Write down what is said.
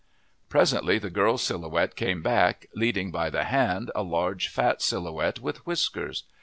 Presently the Girl Silhouette came back, leading by the hand a large, fat Silhouette with whiskers.